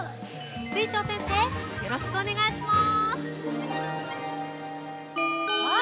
水晶先生、よろしくお願いします。